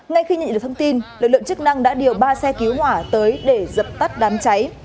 ngay khi nhận được thông tin lực lượng chức năng đã điều ba xe cứu hỏa tới để dập tắt đám cháy